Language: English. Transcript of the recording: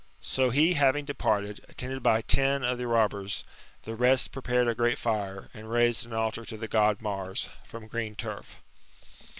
So he having departed, attended by ten of the robbers, the rest prepared a great fire, and raised an altar to the God Mars, from green turf.